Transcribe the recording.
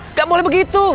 nggak boleh begitu